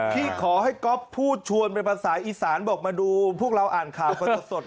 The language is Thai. ที่ขอให้ก๊อฟพูดชวนเป็นภาษาอีสานบอกมาดูพวกเราอ่านข่าวกันสด